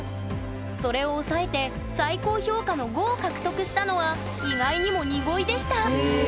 それを抑えて最高評価の「５」を獲得したのは意外にもニゴイでした！